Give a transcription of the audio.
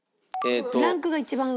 ランクが一番上。